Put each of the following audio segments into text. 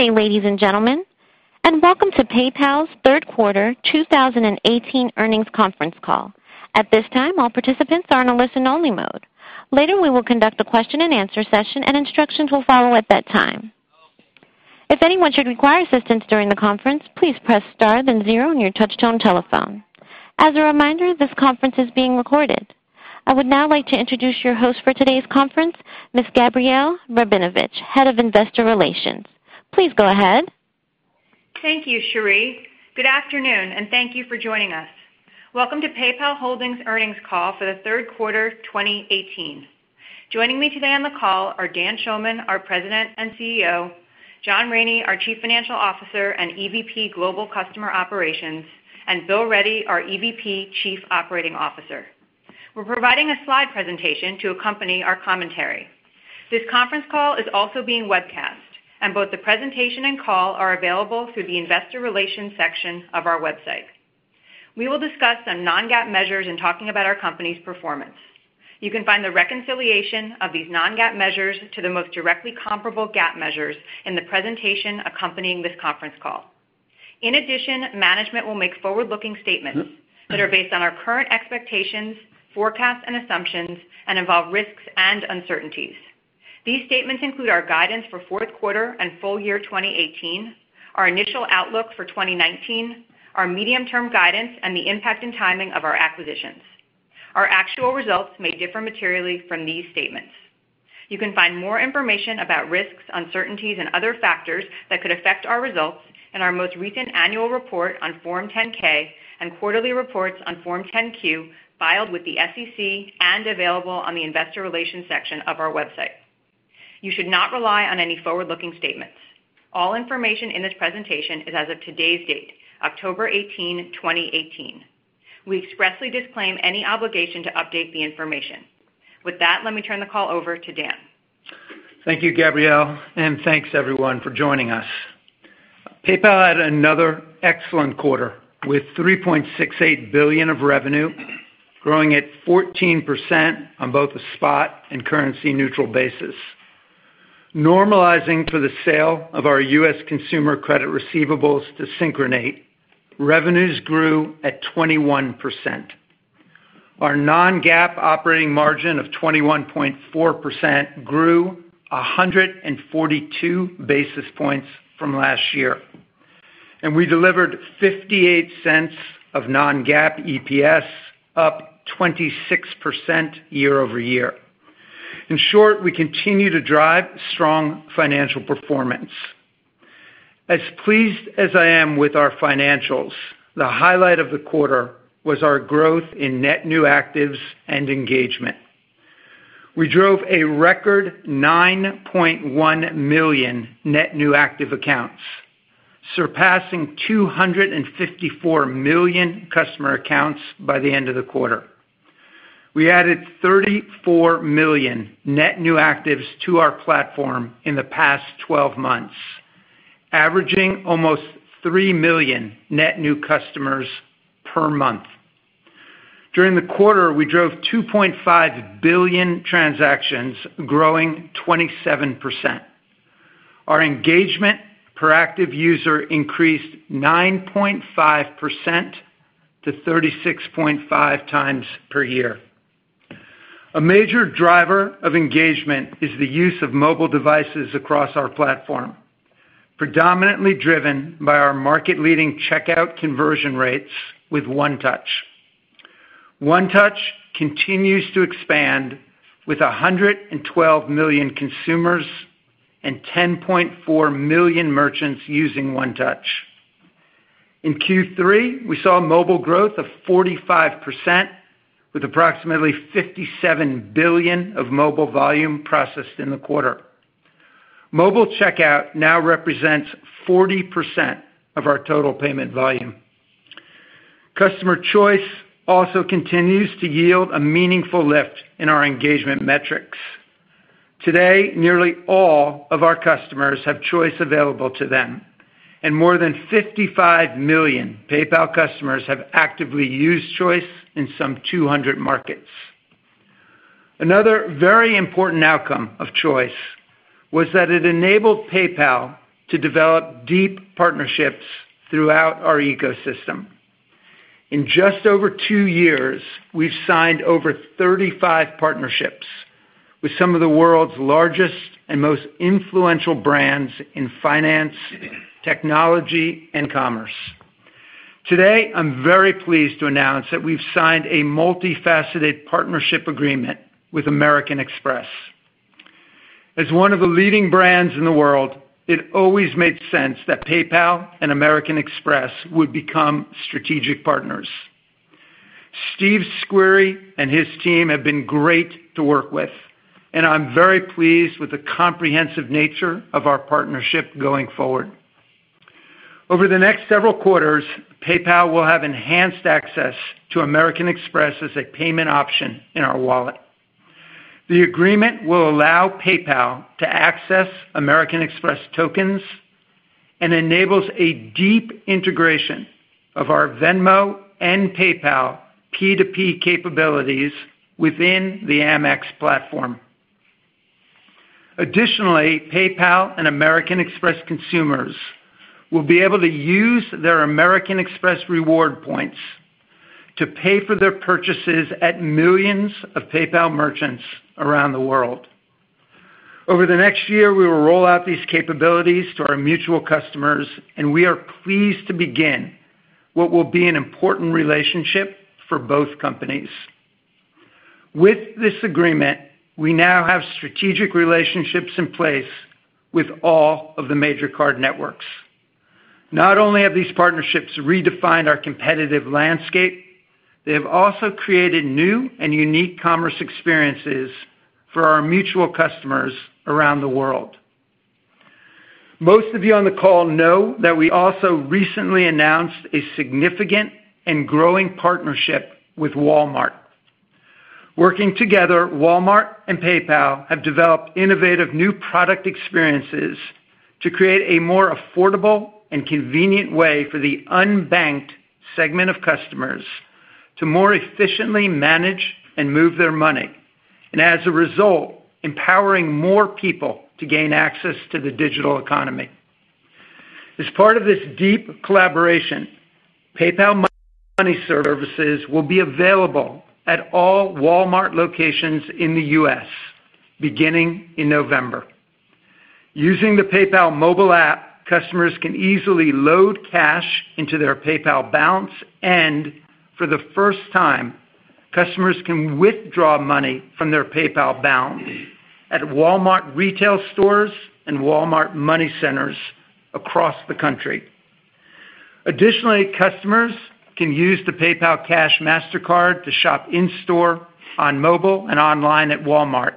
Good day, ladies and gentlemen, and welcome to PayPal's third quarter 2018 earnings conference call. At this time, all participants are in a listen-only mode. Later, we will conduct a question and answer session, and instructions will follow at that time. If anyone should require assistance during the conference, please press star then zero on your touch-tone telephone. As a reminder, this conference is being recorded. I would now like to introduce your host for today's conference, Ms. Gabrielle Rabinovitch, Head of Investor Relations. Please go ahead. Thank you, Sherri. Good afternoon, and thank you for joining us. Welcome to PayPal Holdings earnings call for the third quarter of 2018. Joining me today on the call are Dan Schulman, our President and CEO, John Rainey, our Chief Financial Officer and EVP, Global Customer Operations, and Bill Ready, our EVP, Chief Operating Officer. We're providing a slide presentation to accompany our commentary. This conference call is also being webcast, and both the presentation and call are available through the investor relations section of our website. We will discuss some non-GAAP measures in talking about our company's performance. You can find the reconciliation of these non-GAAP measures to the most directly comparable GAAP measures in the presentation accompanying this conference call. In addition, management will make forward-looking statements that are based on our current expectations, forecasts and assumptions and involve risks and uncertainties. These statements include our guidance for fourth quarter and full year 2018, our initial outlook for 2019, our medium-term guidance, and the impact and timing of our acquisitions. Our actual results may differ materially from these statements. You can find more information about risks, uncertainties, and other factors that could affect our results in our most recent annual report on Form 10-K and quarterly reports on Form 10-Q filed with the SEC and available on the investor relations section of our website. You should not rely on any forward-looking statements. All information in this presentation is as of today's date, October 18, 2018. We expressly disclaim any obligation to update the information. With that, let me turn the call over to Dan. Thank you, Gabrielle, and thanks everyone for joining us. PayPal had another excellent quarter with $3.68 billion of revenue, growing at 14% on both a spot and currency neutral basis. Normalizing for the sale of our U.S. consumer credit receivables to Synchrony, revenues grew at 21%. Our non-GAAP operating margin of 21.4% grew 142 basis points from last year, and we delivered $0.58 of non-GAAP EPS, up 26% year-over-year. In short, we continue to drive strong financial performance. As pleased as I am with our financials, the highlight of the quarter was our growth in net new actives and engagement. We drove a record 9.1 million net new active accounts, surpassing 254 million customer accounts by the end of the quarter. We added 34 million net new actives to our platform in the past 12 months, averaging almost three million net new customers per month. During the quarter, we drove 2.5 billion transactions, growing 27%. Our engagement per active user increased 9.5% to 36.5 times per year. A major driver of engagement is the use of mobile devices across our platform, predominantly driven by our market-leading checkout conversion rates with One Touch. One Touch continues to expand with 112 million consumers and 10.4 million merchants using One Touch. In Q3, we saw mobile growth of 45% with approximately $57 billion of mobile volume processed in the quarter. Mobile checkout now represents 40% of our total payment volume. Customer Choice also continues to yield a meaningful lift in our engagement metrics. Today, nearly all of our customers have Choice available to them, and more than 55 million PayPal customers have actively used Choice in some 200 markets. Another very important outcome of Choice was that it enabled PayPal to develop deep partnerships throughout our ecosystem. In just over two years, we've signed over 35 partnerships with some of the world's largest and most influential brands in finance, technology, and commerce. Today, I'm very pleased to announce that we've signed a multifaceted partnership agreement with American Express. As one of the leading brands in the world, it always made sense that PayPal and American Express would become strategic partners. Steve Squeri and his team have been great to work with, I'm very pleased with the comprehensive nature of our partnership going forward. Over the next several quarters, PayPal will have enhanced access to American Express as a payment option in our wallet. The agreement will allow PayPal to access American Express tokens. It enables a deep integration of our Venmo and PayPal P2P capabilities within the Amex platform. Additionally, PayPal and American Express consumers will be able to use their American Express reward points to pay for their purchases at millions of PayPal merchants around the world. Over the next year, we will roll out these capabilities to our mutual customers, and we are pleased to begin what will be an important relationship for both companies. With this agreement, we now have strategic relationships in place with all of the major card networks. Not only have these partnerships redefined our competitive landscape, they have also created new and unique commerce experiences for our mutual customers around the world. Most of you on the call know that we also recently announced a significant and growing partnership with Walmart. Working together, Walmart and PayPal have developed innovative new product experiences to create a more affordable and convenient way for the unbanked segment of customers to more efficiently manage and move their money, and as a result, empowering more people to gain access to the digital economy. As part of this deep collaboration, PayPal money services will be available at all Walmart locations in the U.S. beginning in November. Using the PayPal mobile app, customers can easily load cash into their PayPal balance, and for the first time, customers can withdraw money from their PayPal balance at Walmart retail stores and Walmart Money Centers across the country. Additionally, customers can use the PayPal Cash Mastercard to shop in-store, on mobile, and online at Walmart,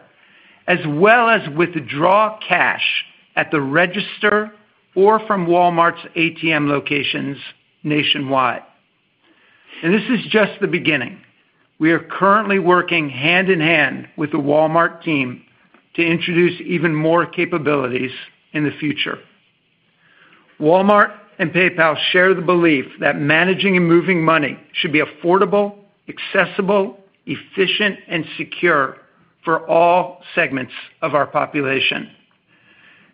as well as withdraw cash at the register or from Walmart's ATM locations nationwide. This is just the beginning. We are currently working hand in hand with the Walmart team to introduce even more capabilities in the future. Walmart and PayPal share the belief that managing and moving money should be affordable, accessible, efficient, and secure for all segments of our population.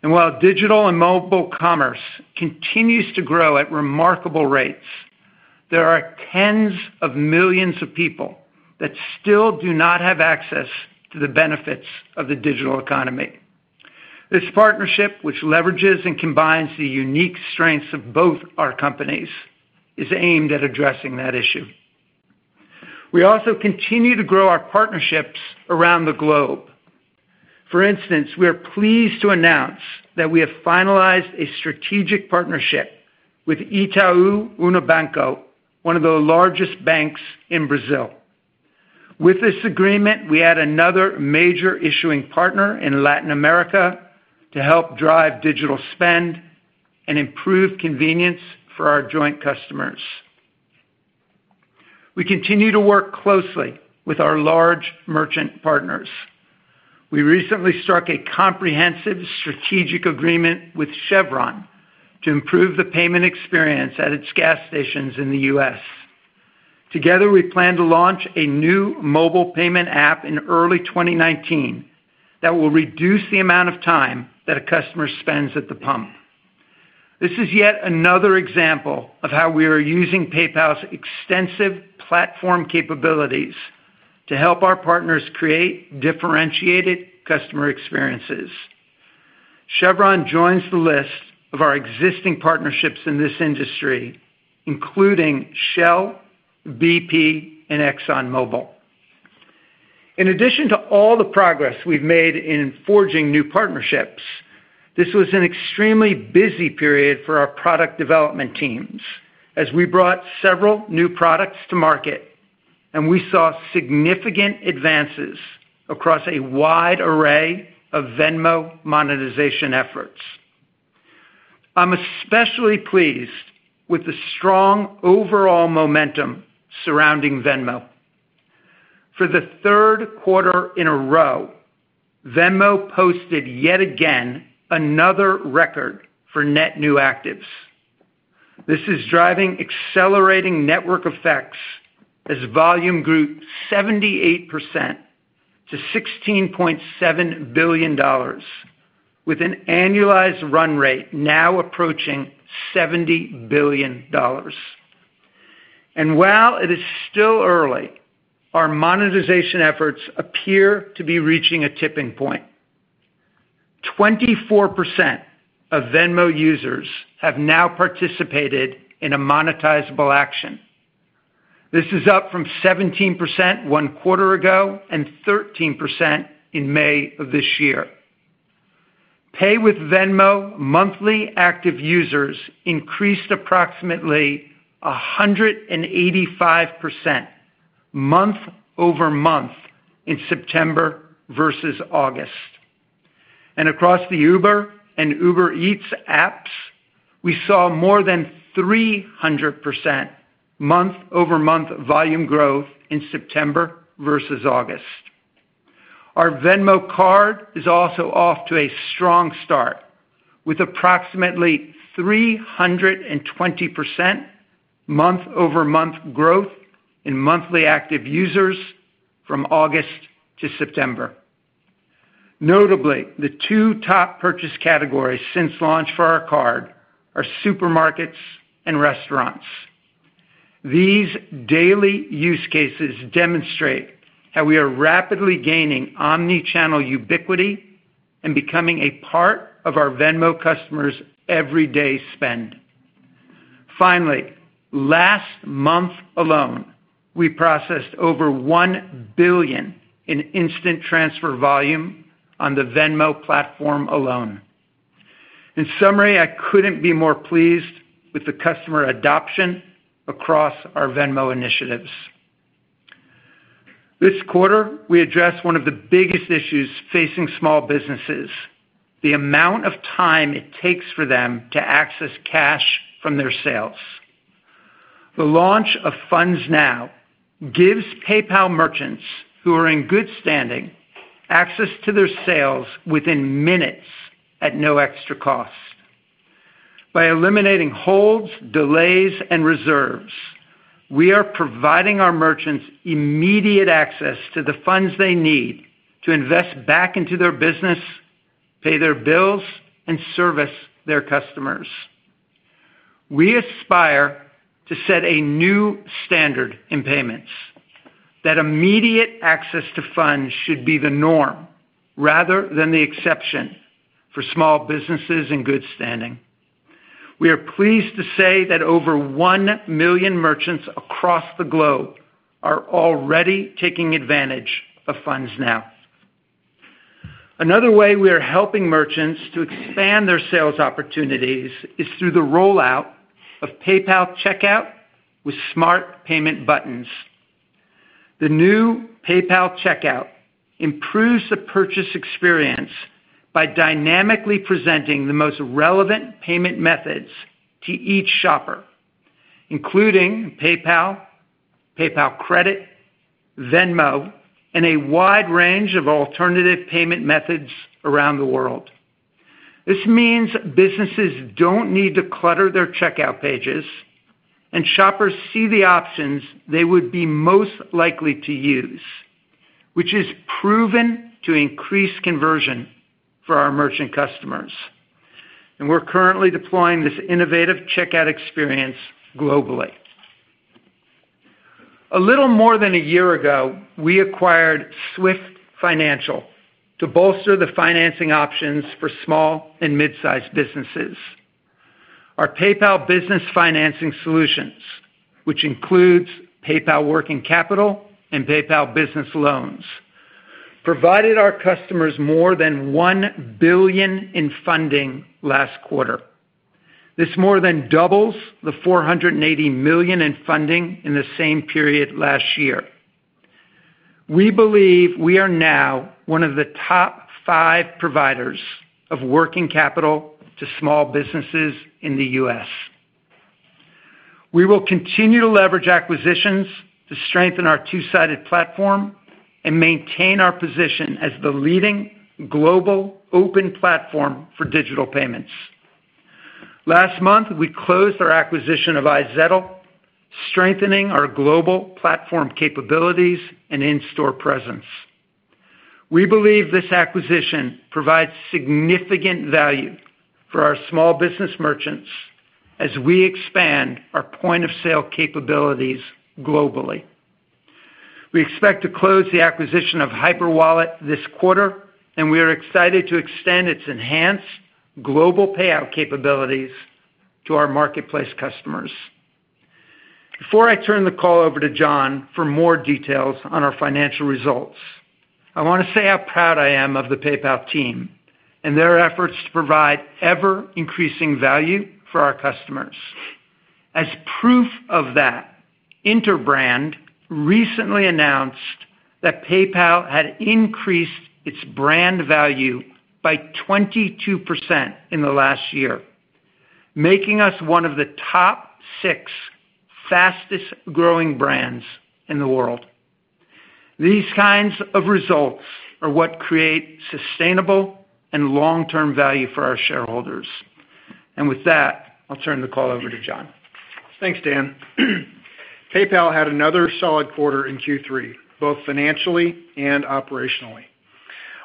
While digital and mobile commerce continues to grow at remarkable rates, there are tens of millions of people that still do not have access to the benefits of the digital economy. This partnership, which leverages and combines the unique strengths of both our companies, is aimed at addressing that issue. We also continue to grow our partnerships around the globe. For instance, we are pleased to announce that we have finalized a strategic partnership with Itaú Unibanco, one of the largest banks in Brazil. With this agreement, we add another major issuing partner in Latin America to help drive digital spend and improve convenience for our joint customers. We continue to work closely with our large merchant partners. We recently struck a comprehensive strategic agreement with Chevron to improve the payment experience at its gas stations in the U.S. Together, we plan to launch a new mobile payment app in early 2019 that will reduce the amount of time that a customer spends at the pump. This is yet another example of how we are using PayPal's extensive platform capabilities to help our partners create differentiated customer experiences. Chevron joins the list of our existing partnerships in this industry, including Shell, BP, and ExxonMobil. In addition to all the progress we've made in forging new partnerships, this was an extremely busy period for our product development teams as we brought several new products to market, and we saw significant advances across a wide array of Venmo monetization efforts. I'm especially pleased with the strong overall momentum surrounding Venmo. For the third quarter in a row, Venmo posted yet again another record for net new actives. This is driving accelerating network effects as volume grew 78% to $16.7 billion, with an annualized run rate now approaching $70 billion. While it is still early, our monetization efforts appear to be reaching a tipping point. 24% of Venmo users have now participated in a monetizable action. This is up from 17% one quarter ago and 13% in May of this year. Pay with Venmo monthly active users increased approximately 185% month-over-month in September versus August. Across the Uber and Uber Eats apps, we saw more than 300% month-over-month volume growth in September versus August. Our Venmo card is also off to a strong start, with approximately 320% month-over-month growth in monthly active users from August to September. Notably, the two top purchase categories since launch for our card are supermarkets and restaurants. These daily use cases demonstrate how we are rapidly gaining omni-channel ubiquity and becoming a part of our Venmo customers' everyday spend. Finally, last month alone, we processed over 1 billion in Instant Transfer volume on the Venmo platform alone. In summary, I couldn't be more pleased with the customer adoption across our Venmo initiatives. This quarter, we address one of the biggest issues facing small businesses, the amount of time it takes for them to access cash from their sales. The launch of Funds Now gives PayPal merchants who are in good standing access to their sales within minutes at no extra cost. By eliminating holds, delays, and reserves, we are providing our merchants immediate access to the funds they need to invest back into their business, pay their bills, and service their customers. We aspire to set a new standard in payments that immediate access to funds should be the norm rather than the exception for small businesses in good standing. We are pleased to say that over 1 million merchants across the globe are already taking advantage of Funds Now. Another way we are helping merchants to expand their sales opportunities is through the rollout of PayPal Checkout with Smart Payment Buttons. The new PayPal Checkout improves the purchase experience by dynamically presenting the most relevant payment methods to each shopper, including PayPal Credit, Venmo, and a wide range of alternative payment methods around the world. This means businesses don't need to clutter their checkout pages, and shoppers see the options they would be most likely to use, which is proven to increase conversion for our merchant customers. We're currently deploying this innovative checkout experience globally. A little more than a year ago, we acquired Swift Financial to bolster the financing options for small and mid-sized businesses. Our PayPal Business Financing solutions, which includes PayPal Working Capital and PayPal Business Loans, provided our customers more than $1 billion in funding last quarter. This more than doubles the $480 million in funding in the same period last year. We believe we are now one of the top five providers of working capital to small businesses in the U.S. We will continue to leverage acquisitions to strengthen our two-sided platform and maintain our position as the leading global open platform for digital payments. Last month, we closed our acquisition of iZettle, strengthening our global platform capabilities and in-store presence. We believe this acquisition provides significant value for our small business merchants as we expand our point-of-sale capabilities globally. We expect to close the acquisition of Hyperwallet this quarter, and we are excited to extend its enhanced global payout capabilities to our marketplace customers. Before I turn the call over to John for more details on our financial results, I want to say how proud I am of the PayPal team and their efforts to provide ever-increasing value for our customers. As proof of that, Interbrand recently announced that PayPal had increased its brand value by 22% in the last year, making us one of the top six fastest-growing brands in the world. These kinds of results are what create sustainable and long-term value for our shareholders. With that, I'll turn the call over to John. Thanks, Dan. PayPal had another solid quarter in Q3, both financially and operationally.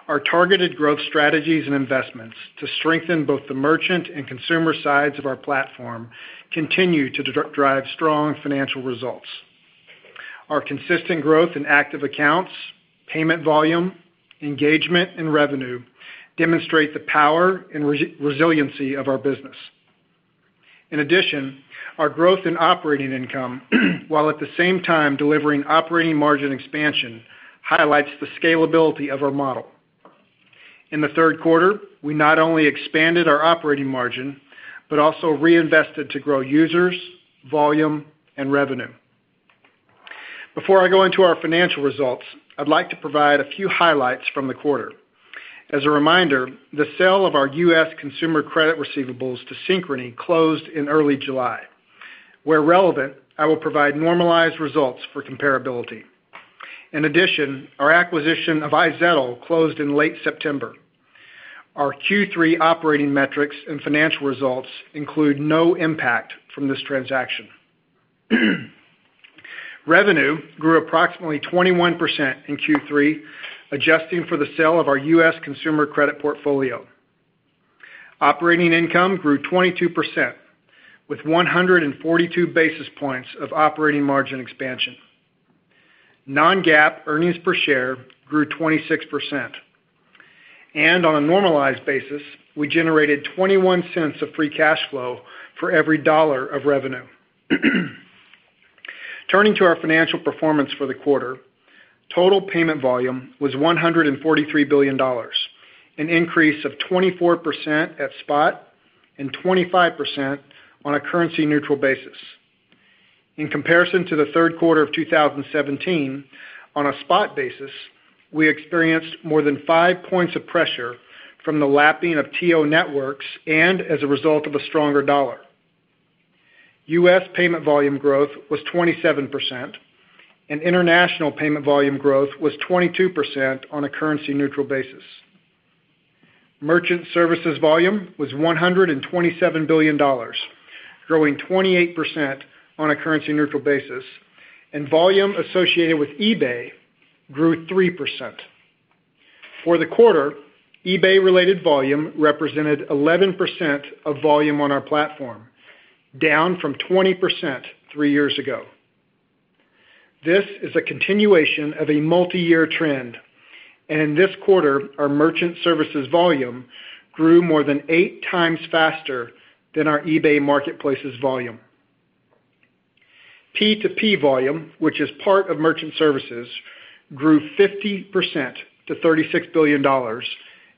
Our targeted growth strategies and investments to strengthen both the merchant and consumer sides of our platform continue to drive strong financial results. Our consistent growth in active accounts, payment volume, engagement, and revenue demonstrate the power and resiliency of our business. In addition, our growth in operating income, while at the same time delivering operating margin expansion, highlights the scalability of our model. In the third quarter, we not only expanded our operating margin, but also reinvested to grow users, volume, and revenue. Before I go into our financial results, I'd like to provide a few highlights from the quarter. As a reminder, the sale of our U.S. consumer credit receivables to Synchrony closed in early July. Where relevant, I will provide normalized results for comparability. In addition, our acquisition of iZettle closed in late September. Our Q3 operating metrics and financial results include no impact from this transaction. Revenue grew approximately 21% in Q3, adjusting for the sale of our U.S. consumer credit portfolio. Operating income grew 22%, with 142 basis points of operating margin expansion. non-GAAP earnings per share grew 26%. On a normalized basis, we generated $0.21 of free cash flow for every dollar of revenue. Turning to our financial performance for the quarter, total payment volume was $143 billion, an increase of 24% at spot, and 25% on a currency-neutral basis. In comparison to the third quarter of 2017, on a spot basis, we experienced more than five points of pressure from the lapping of TIO Networks and as a result of a stronger dollar. U.S. payment volume growth was 27%, and international payment volume growth was 22% on a currency-neutral basis. Merchant services volume was $127 billion, growing 28% on a currency-neutral basis. Volume associated with eBay grew 3%. For the quarter, eBay-related volume represented 11% of volume on our platform, down from 20% three years ago. This is a continuation of a multi-year trend. This quarter our merchant services volume grew more than eight times faster than our eBay marketplace's volume. P2P volume, which is part of merchant services, grew 50% to $36 billion,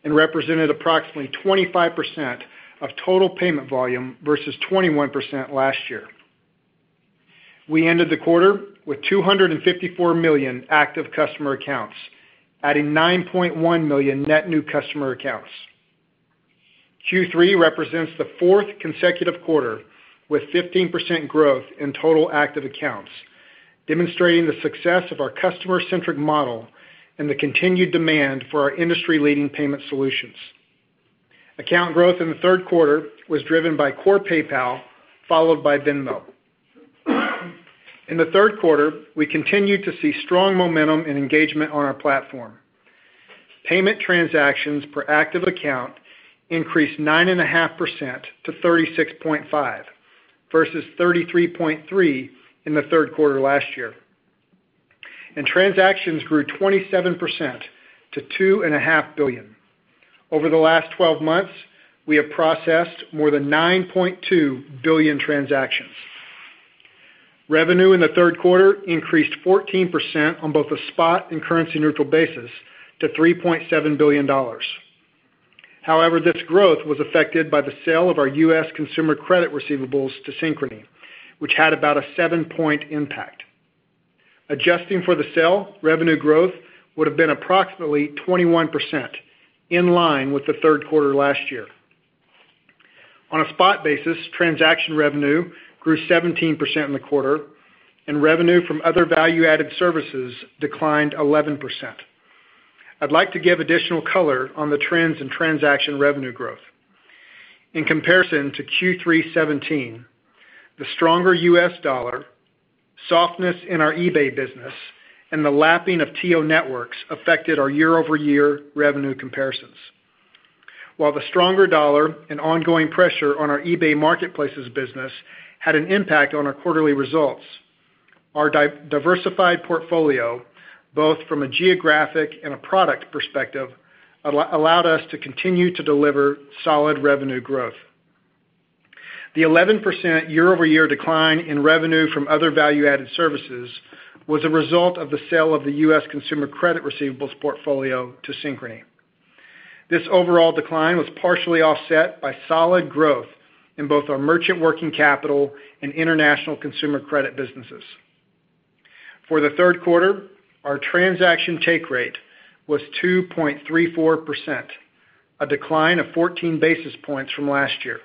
and represented approximately 25% of total payment volume versus 21% last year. We ended the quarter with 254 million active customer accounts, adding 9.1 million net new customer accounts. Q3 represents the fourth consecutive quarter with 15% growth in total active accounts, demonstrating the success of our customer-centric model and the continued demand for our industry-leading payment solutions. Account growth in the third quarter was driven by core PayPal, followed by Venmo. In the third quarter, we continued to see strong momentum and engagement on our platform. Payment transactions per active account increased 9.5% to 36.5, versus 33.3 in the third quarter last year. Transactions grew 27% to 2.5 billion. Over the last 12 months, we have processed more than 9.2 billion transactions. Revenue in the third quarter increased 14% on both the spot and currency-neutral basis to $3.7 billion. However, this growth was affected by the sale of our U.S. consumer credit receivables to Synchrony, which had about a seven-point impact. Adjusting for the sale, revenue growth would have been approximately 21%, in line with the third quarter last year. On a spot basis, transaction revenue grew 17% in the quarter. Revenue from other value-added services declined 11%. I'd like to give additional color on the trends in transaction revenue growth. In comparison to Q3 2017, the stronger U.S. dollar, softness in our eBay business, and the lapping of TIO Networks affected our year-over-year revenue comparisons. While the stronger dollar and ongoing pressure on our eBay marketplace's business had an impact on our quarterly results, our diversified portfolio, both from a geographic and a product perspective, allowed us to continue to deliver solid revenue growth. The 11% year-over-year decline in revenue from other value-added services was a result of the sale of the U.S. consumer credit receivables portfolio to Synchrony. This overall decline was partially offset by solid growth in both our merchant working capital and international consumer credit businesses. For the third quarter, our transaction take rate was 2.34%, a decline of 14 basis points from last year.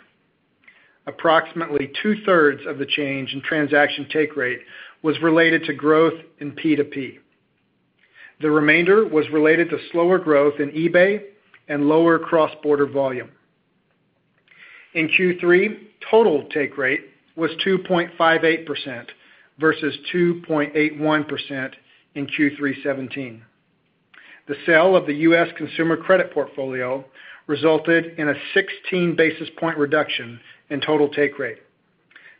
Approximately two-thirds of the change in transaction take rate was related to growth in P2P. The remainder was related to slower growth in eBay and lower cross-border volume. In Q3, total take rate was 2.58% versus 2.81% in Q3 2017. The sale of the U.S. consumer credit portfolio resulted in a 16 basis point reduction in total take rate.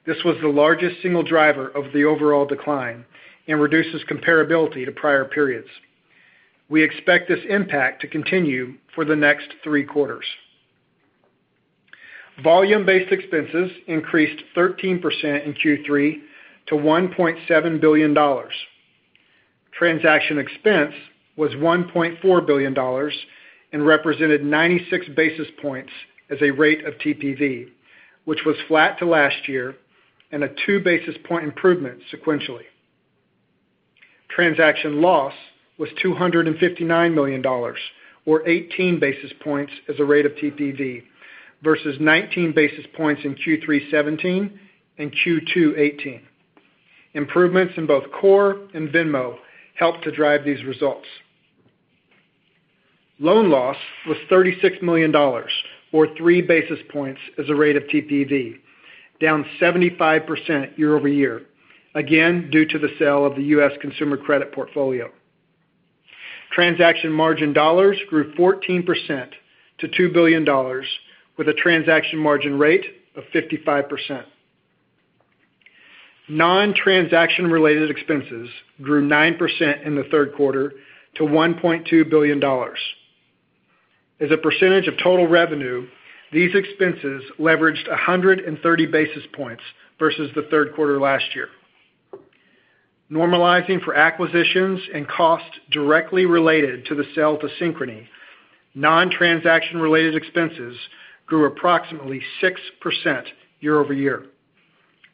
This was the largest single driver of the overall decline and reduces comparability to prior periods. We expect this impact to continue for the next three quarters. Volume-based expenses increased 13% in Q3 to $1.7 billion. Transaction expense was $1.4 billion and represented 96 basis points as a rate of TPV, which was flat to last year and a two-basis point improvement sequentially. Transaction loss was $259 million, or 18 basis points as a rate of TPV versus 19 basis points in Q3 2017 and Q2 2018. Improvements in both Core and Venmo helped to drive these results. Loan loss was $36 million, or three basis points as a rate of TPV, down 75% year-over-year, again, due to the sale of the U.S. consumer credit portfolio. Transaction margin dollars grew 14% to $2 billion with a transaction margin rate of 55%. Non-transaction related expenses grew 9% in the third quarter to $1.2 billion. As a percentage of total revenue, these expenses leveraged 130 basis points versus the third quarter last year. Normalizing for acquisitions and costs directly related to the sale to Synchrony, non-transaction related expenses grew approximately 6% year-over-year.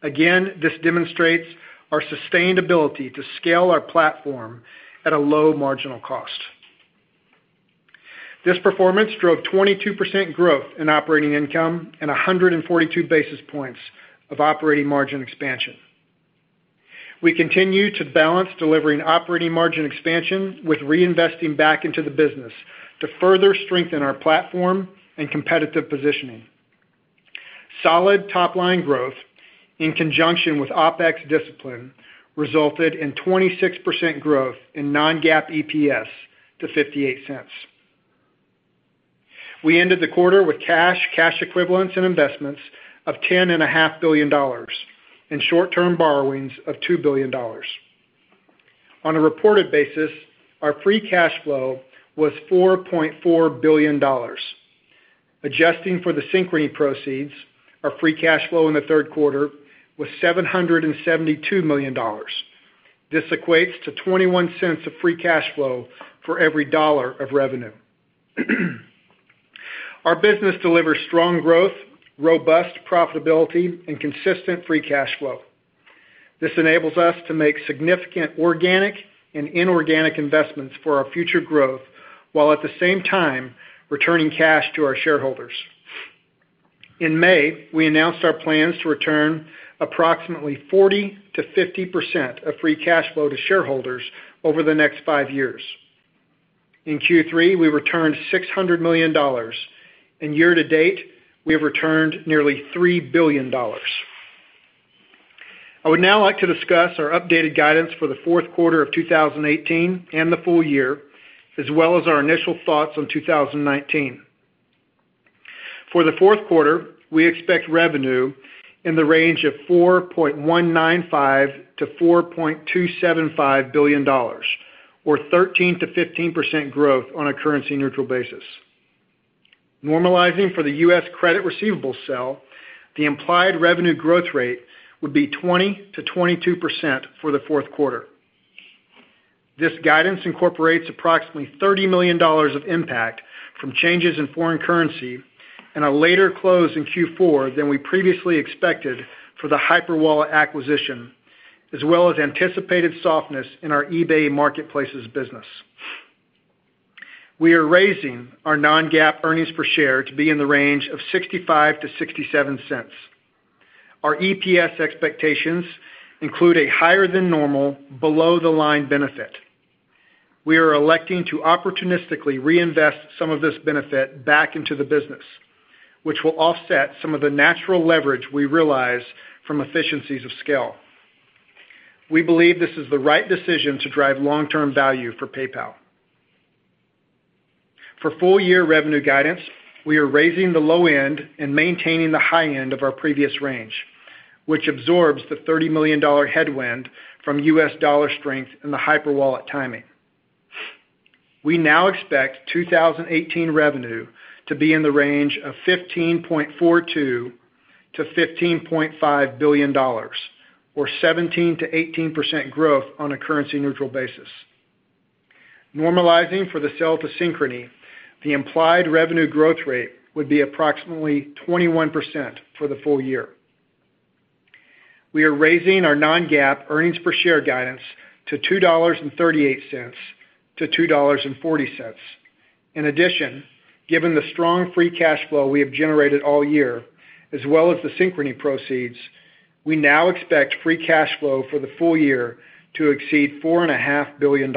Again, this demonstrates our sustained ability to scale our platform at a low marginal cost. This performance drove 22% growth in operating income and 142 basis points of operating margin expansion. We continue to balance delivering operating margin expansion with reinvesting back into the business to further strengthen our platform and competitive positioning. Solid top-line growth in conjunction with OpEx discipline resulted in 26% growth in non-GAAP EPS to $0.58. We ended the quarter with cash equivalents and investments of $10.5 billion, and short-term borrowings of $2 billion. On a reported basis, our free cash flow was $4.4 billion. Adjusting for the Synchrony proceeds, our free cash flow in the third quarter was $772 million. This equates to $0.21 of free cash flow for every dollar of revenue. Our business delivers strong growth, robust profitability, and consistent free cash flow. This enables us to make significant organic and inorganic investments for our future growth, while at the same time, returning cash to our shareholders. In May, we announced our plans to return approximately 40%-50% of free cash flow to shareholders over the next five years. In Q3, we returned $600 million. In year to date, we have returned nearly $3 billion. I would now like to discuss our updated guidance for the fourth quarter of 2018 and the full year, as well as our initial thoughts on 2019. For the fourth quarter, we expect revenue in the range of $4.195 billion to $4.275 billion, or 13%-15% growth on a currency neutral basis. Normalizing for the U.S. credit receivable sale, the implied revenue growth rate would be 20%-22% for the fourth quarter. This guidance incorporates approximately $30 million of impact from changes in foreign currency and a later close in Q4 than we previously expected for the Hyperwallet acquisition, as well as anticipated softness in our eBay marketplace's business. We are raising our non-GAAP earnings per share to be in the range of $0.65 to $0.67. Our EPS expectations include a higher than normal below the line benefit. We are electing to opportunistically reinvest some of this benefit back into the business, which will offset some of the natural leverage we realize from efficiencies of scale. We believe this is the right decision to drive long-term value for PayPal. For full year revenue guidance, we are raising the low end and maintaining the high end of our previous range, which absorbs the $30 million headwind from U.S. dollar strength in the Hyperwallet timing. We now expect 2018 revenue to be in the range of $15.42 billion to $15.5 billion, or 17%-18% growth on a currency neutral basis. Normalizing for the sale to Synchrony, the implied revenue growth rate would be approximately 21% for the full year. We are raising our non-GAAP earnings per share guidance to $2.38-$2.40. In addition, given the strong free cash flow we have generated all year, as well as the Synchrony proceeds, we now expect free cash flow for the full year to exceed $4.5 billion.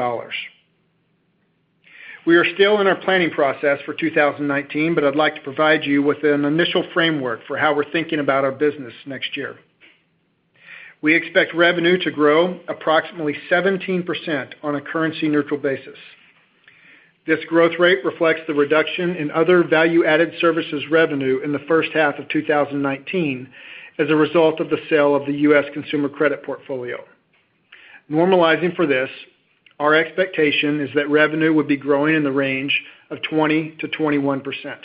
We are still in our planning process for 2019, but I'd like to provide you with an initial framework for how we're thinking about our business next year. We expect revenue to grow approximately 17% on a currency neutral basis. This growth rate reflects the reduction in other value-added services revenue in the first half of 2019 as a result of the sale of the U.S. consumer credit portfolio. Normalizing for this, our expectation is that revenue would be growing in the range of 20%-21%.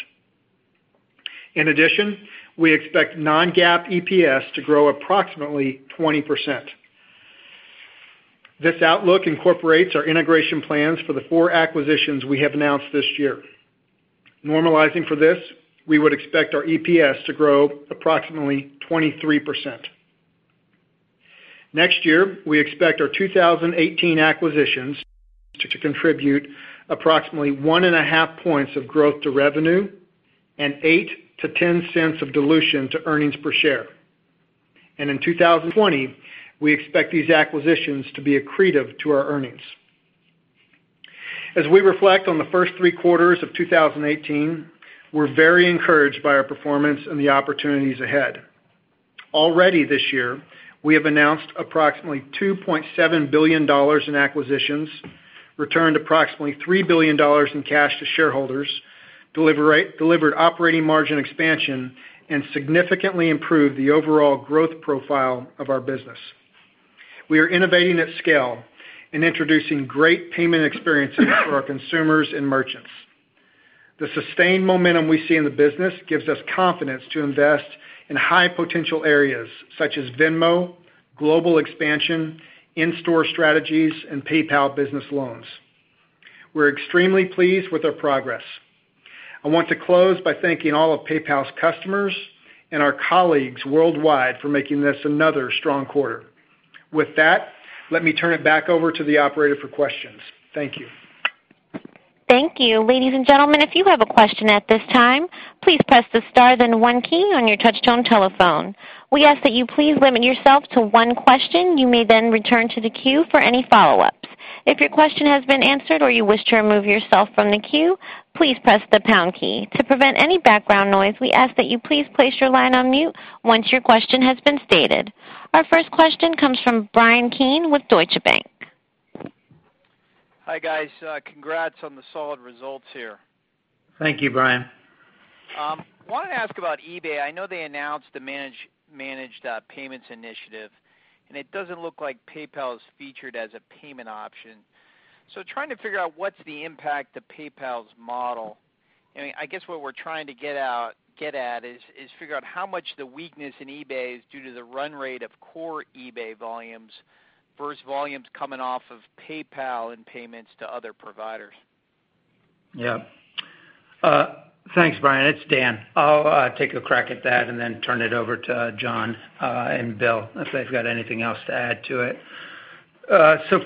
In addition, we expect non-GAAP EPS to grow approximately 20%. This outlook incorporates our integration plans for the four acquisitions we have announced this year. Normalizing for this, we would expect our EPS to grow approximately 23%. Next year, we expect our 2018 acquisitions to contribute approximately one and a half points of growth to revenue and $0.08-$0.10 of dilution to earnings per share. In 2020, we expect these acquisitions to be accretive to our earnings. As we reflect on the first three quarters of 2018, we're very encouraged by our performance and the opportunities ahead. Already this year, we have announced approximately $2.7 billion in acquisitions, returned approximately $3 billion in cash to shareholders, delivered operating margin expansion, and significantly improved the overall growth profile of our business. We are innovating at scale and introducing great payment experiences for our consumers and merchants. The sustained momentum we see in the business gives us confidence to invest in high potential areas such as Venmo, global expansion, in-store strategies, and PayPal Business Loans. We're extremely pleased with our progress. I want to close by thanking all of PayPal's customers and our colleagues worldwide for making this another strong quarter. With that, let me turn it back over to the operator for questions. Thank you. Thank you. Ladies and gentlemen, if you have a question at this time, please press the star then one key on your touchtone telephone. We ask that you please limit yourself to one question. You may then return to the queue for any follow-ups. If your question has been answered or you wish to remove yourself from the queue, please press the pound key. To prevent any background noise, we ask that you please place your line on mute once your question has been stated. Our first question comes from Bryan Keane with Deutsche Bank. Hi, guys. Congrats on the solid results here. Thank you, Bryan. I wanted to ask about eBay. I know they announced the Managed Payments initiative, and it doesn't look like PayPal is featured as a payment option. Trying to figure out what's the impact to PayPal's model. I guess what we're trying to get at is figure out how much the weakness in eBay is due to the run rate of core eBay volumes versus volumes coming off of PayPal and payments to other providers. Yeah. Thanks, Bryan. It's Dan. I'll take a crack at that and then turn it over to John and Bill if they've got anything else to add to it.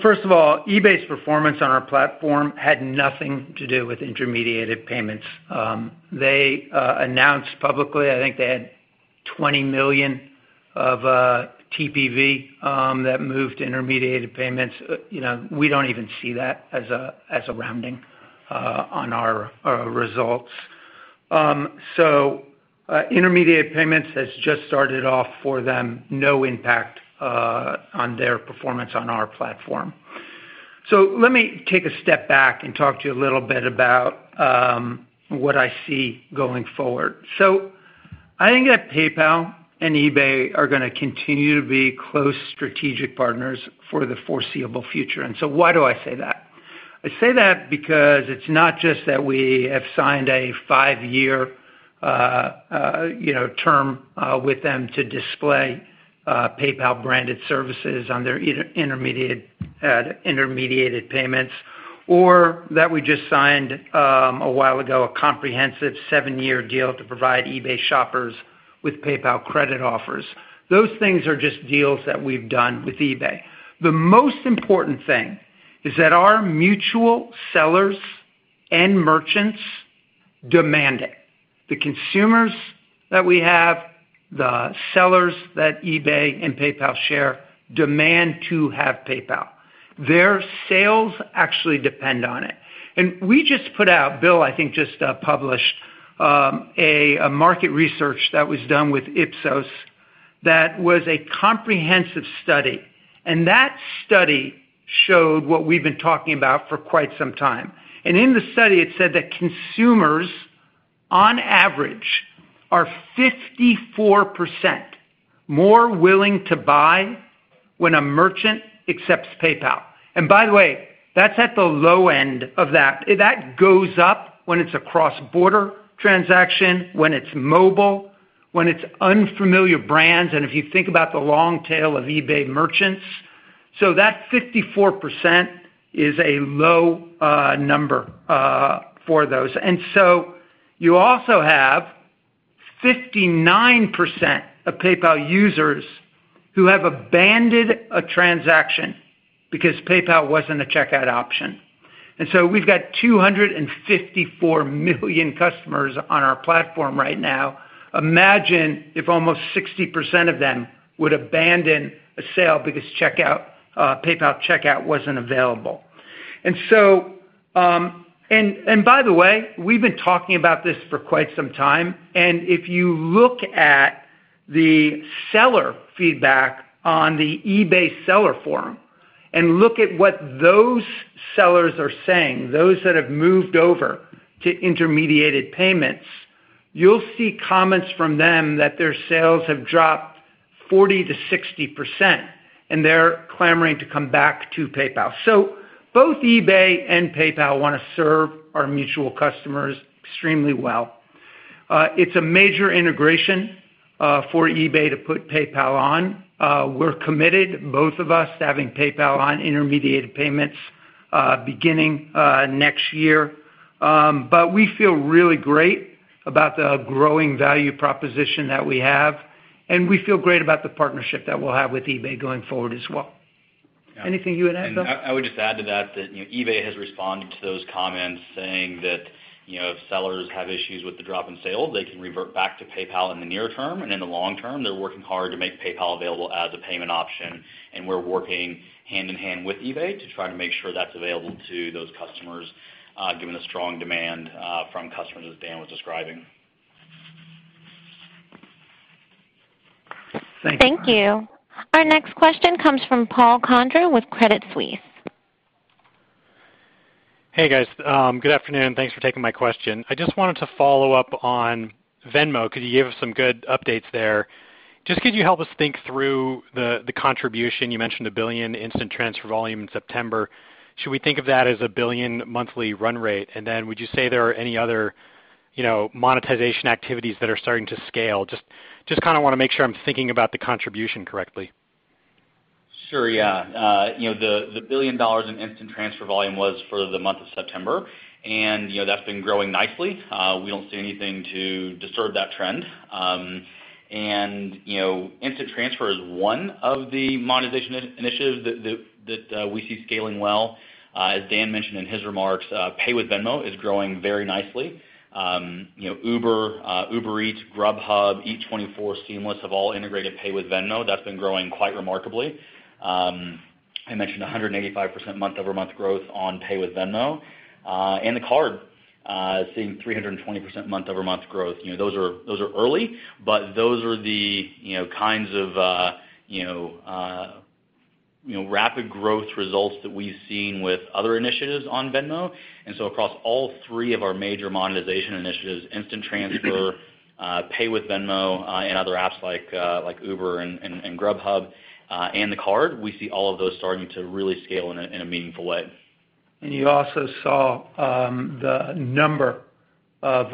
First of all, eBay's performance on our platform had nothing to do with intermediated payments. They announced publicly, I think they had $20 million of TPV that moved intermediated payments. We don't even see that as a rounding on our results. Intermediated payments has just started off for them, no impact on their performance on our platform. Let me take a step back and talk to you a little bit about what I see going forward. I think that PayPal and eBay are going to continue to be close strategic partners for the foreseeable future. Why do I say that? I say that because it's not just that we have signed a five-year term with them to display PayPal-branded services on their intermediated payments, or that we just signed, a while ago, a comprehensive seven-year deal to provide eBay shoppers with PayPal Credit offers. Those things are just deals that we've done with eBay. The most important thing is that our mutual sellers and merchants demand it. The consumers that we have, the sellers that eBay and PayPal share demand to have PayPal. Their sales actually depend on it. We just put out, Bill, I think, just published a market research that was done with Ipsos that was a comprehensive study. That study showed what we've been talking about for quite some time. In the study, it said that consumers, on average, are 54% more willing to buy when a merchant accepts PayPal. By the way, that's at the low end of that. That goes up when it's a cross-border transaction, when it's mobile, when it's unfamiliar brands, and if you think about the long tail of eBay merchants. That 54% is a low number for those. You also have 59% of PayPal users who have abandoned a transaction because PayPal wasn't a Checkout option. We've got 254 million customers on our platform right now. Imagine if almost 60% of them would abandon a sale because PayPal Checkout wasn't available. By the way, we've been talking about this for quite some time, and if you look at the seller feedback on the eBay seller forum and look at what those sellers are saying, those that have moved over to intermediated payments, you'll see comments from them that their sales have dropped 40%-60%, and they're clamoring to come back to PayPal. Both eBay and PayPal want to serve our mutual customers extremely well. It's a major integration for eBay to put PayPal on. We're committed, both of us, to having PayPal on intermediated payments beginning next year. We feel really great about the growing value proposition that we have, and we feel great about the partnership that we'll have with eBay going forward as well. Anything you would add, Bill? I would just add to that, eBay has responded to those comments saying that if sellers have issues with the drop in sale, they can revert back to PayPal in the near term, and in the long term, they're working hard to make PayPal available as a payment option, and we're working hand-in-hand with eBay to try to make sure that's available to those customers given the strong demand from customers as Dan was describing. Thank you. Thank you. Our next question comes from Paul Condra with Credit Suisse. Hey, guys. Good afternoon. Thanks for taking my question. I just wanted to follow up on Venmo because you gave us some good updates there. Just could you help us think through the contribution? You mentioned a billion Instant Transfer volume in September. Should we think of that as a billion monthly run rate? Would you say there are any other monetization activities that are starting to scale? Just want to make sure I'm thinking about the contribution correctly. Sure. Yeah. The $1 billion in Instant Transfer volume was for the month of September, and that's been growing nicely. We don't see anything to disturb that trend. Instant Transfer is one of the monetization initiatives that we see scaling well. As Dan mentioned in his remarks, Pay with Venmo is growing very nicely. Uber Eats, Grubhub, Eat24, Seamless have all integrated Pay with Venmo. That's been growing quite remarkably. I mentioned 185% month-over-month growth on Pay with Venmo, and the card seeing 320% month-over-month growth. Those are early, but those are the kinds of rapid growth results that we've seen with other initiatives on Venmo. Across all three of our major monetization initiatives, Instant Transfer, Pay with Venmo, and other apps like Uber and Grubhub, and the card, we see all of those starting to really scale in a meaningful way. You also saw the number of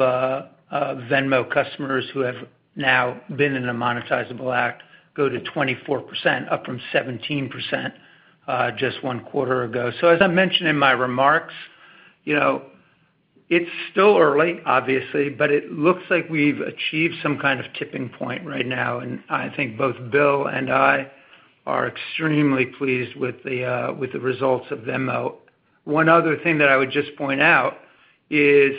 Venmo customers who have now been in a monetizable act go to 24%, up from 17% just one quarter ago. As I mentioned in my remarks, it's still early, obviously, but it looks like we've achieved some kind of tipping point right now, and I think both Bill and I are extremely pleased with the results of Venmo. One other thing that I would just point out is,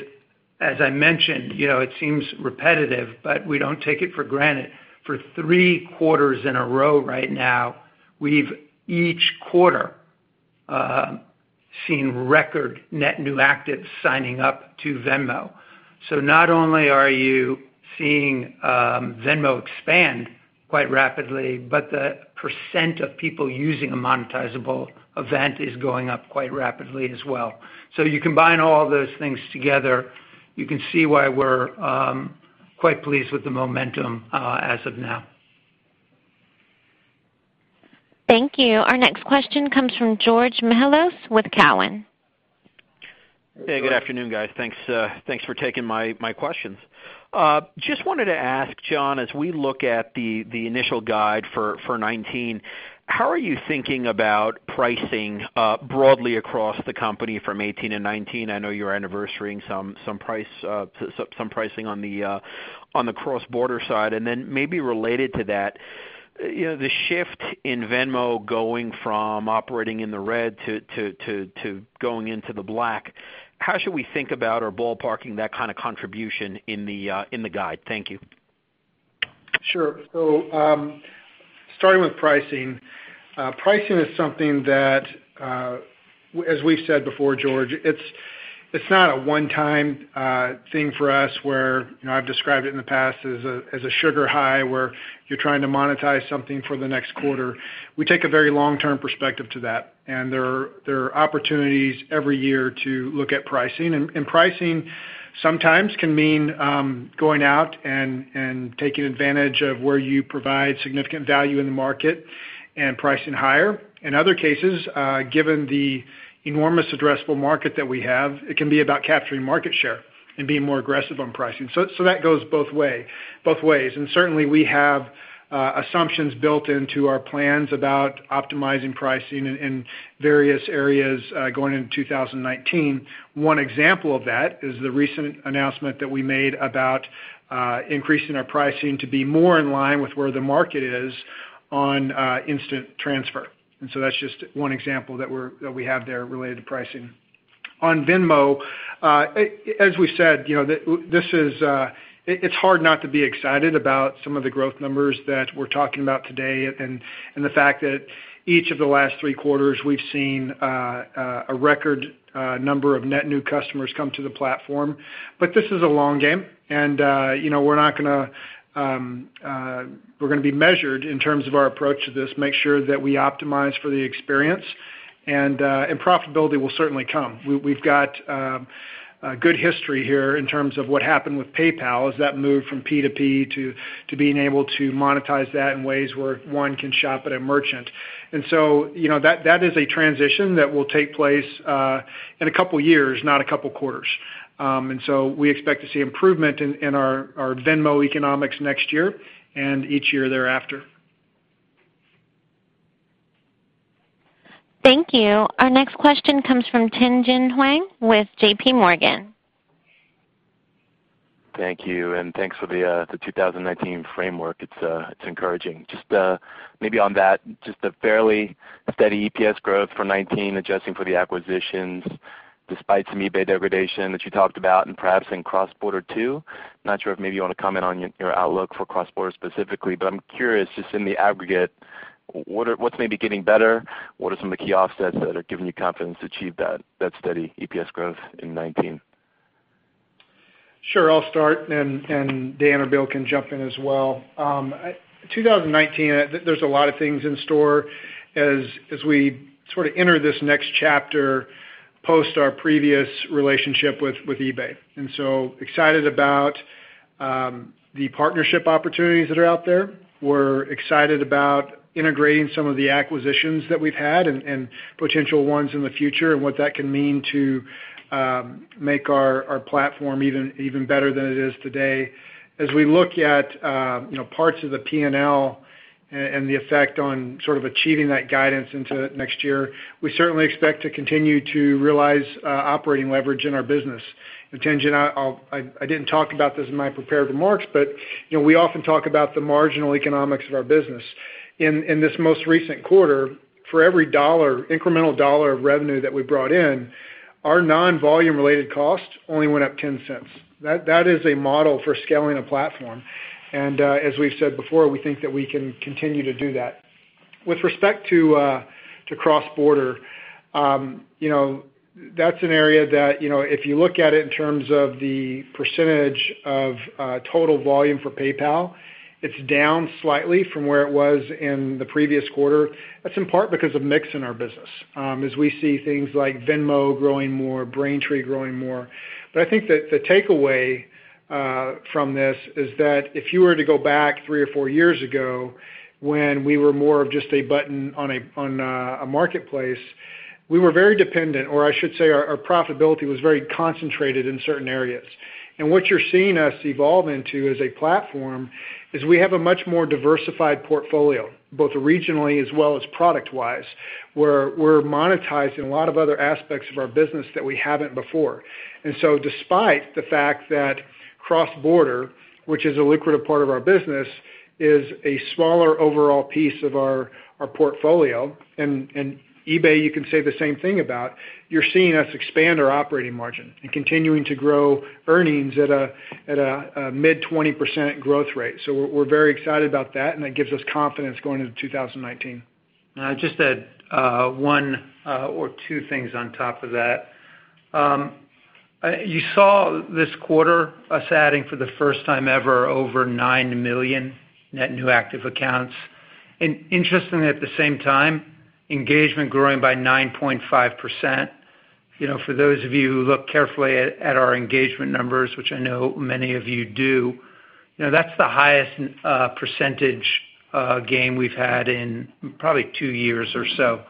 as I mentioned, it seems repetitive, but we don't take it for granted. For three quarters in a row right now, we've each quarter seen record net new actives signing up to Venmo. Not only are you seeing Venmo expand quite rapidly, but the % of people using a monetizable event is going up quite rapidly as well. You combine all those things together, you can see why we're quite pleased with the momentum as of now. Thank you. Our next question comes from George Mihalos with Cowen. Hey, good afternoon, guys. Thanks for taking my questions. Just wanted to ask, John, as we look at the initial guide for 2019, how are you thinking about pricing broadly across the company from 2018 and 2019? I know you're anniversarying some pricing on the cross-border side. Maybe related to that, the shift in Venmo going from operating in the red to going into the black, how should we think about or ballparking that kind of contribution in the guide? Thank you. Sure. Starting with pricing. Pricing is something that, as we've said before, George, it's not a one-time thing for us where I've described it in the past as a sugar high where you're trying to monetize something for the next quarter. We take a very long-term perspective to that, and there are opportunities every year to look at pricing. Pricing sometimes can mean going out and taking advantage of where you provide significant value in the market and pricing higher. In other cases, given the enormous addressable market that we have, it can be about capturing market share and being more aggressive on pricing. That goes both ways. Certainly, we have assumptions built into our plans about optimizing pricing in various areas going into 2019. One example of that is the recent announcement that we made about increasing our pricing to be more in line with where the market is on Instant Transfer. That's just one example that we have there related to pricing. On Venmo, as we said, it's hard not to be excited about some of the growth numbers that we're talking about today, and the fact that each of the last three quarters we've seen a record number of net new customers come to the platform. This is a long game, and we're going to be measured in terms of our approach to this, make sure that we optimize for the experience, and profitability will certainly come. We've got a good history here in terms of what happened with PayPal as that moved from P2P to being able to monetize that in ways where one can shop at a merchant. That is a transition that will take place in a couple of years, not a couple of quarters. We expect to see improvement in our Venmo economics next year and each year thereafter. Thank you. Our next question comes from Tien-Tsin Huang with J.P. Morgan. Thank you. Thanks for the 2019 framework. It's encouraging. Just maybe on that, just a fairly steady EPS growth for 2019, adjusting for the acquisitions, despite some eBay degradation that you talked about, and perhaps in cross-border too. Not sure if maybe you want to comment on your outlook for cross-border specifically, but I'm curious, just in the aggregate, what's maybe getting better? What are some of the key offsets that are giving you confidence to achieve that steady EPS growth in 2019? Sure. I'll start, Dan or Bill can jump in as well. 2019, there's a lot of things in store as we sort of enter this next chapter post our previous relationship with eBay. Excited about the partnership opportunities that are out there. We're excited about integrating some of the acquisitions that we've had and potential ones in the future, and what that can mean to make our platform even better than it is today. As we look at parts of the P&L and the effect on sort of achieving that guidance into next year, we certainly expect to continue to realize operating leverage in our business. Tien-Tsin, I didn't talk about this in my prepared remarks, but we often talk about the marginal economics of our business. In this most recent quarter, for every incremental $1 of revenue that we brought in, our non-volume related cost only went up $0.10. That is a model for scaling a platform. As we've said before, we think that we can continue to do that. With respect to cross-border, that's an area that if you look at it in terms of the % of total volume for PayPal, it's down slightly from where it was in the previous quarter. That's in part because of mix in our business. As we see things like Venmo growing more, Braintree growing more. I think that the takeaway from this is that if you were to go back three or four years ago, when we were more of just a button on a marketplace, we were very dependent, or I should say, our profitability was very concentrated in certain areas. What you're seeing us evolve into as a platform is we have a much more diversified portfolio, both regionally as well as product-wise, where we're monetizing a lot of other aspects of our business that we haven't before. Despite the fact that cross-border, which is a lucrative part of our business, is a smaller overall piece of our portfolio, and eBay you can say the same thing about, you're seeing us expand our operating margin and continuing to grow earnings at a mid-20% growth rate. We're very excited about that, and that gives us confidence going into 2019. I'll just add one or two things on top of that. You saw this quarter us adding, for the first time ever, over nine million net new active accounts. Interestingly, at the same time, engagement growing by 9.5%. For those of you who look carefully at our engagement numbers, which I know many of you do, that's the highest % gain we've had in probably two years or so.